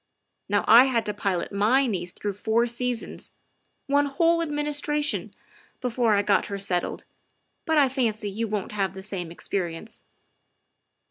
Now I had to pilot my niece through four seasons one whole administration before I got her settled, but I fancy you won't have the same ex perience.